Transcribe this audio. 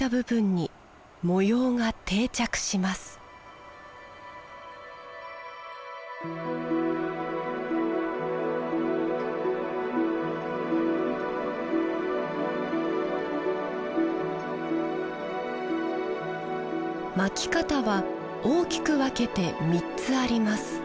蒔き方は大きく分けて３つあります